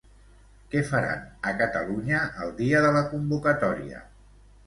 Què faran a Catalunya el dia de la convocatòria?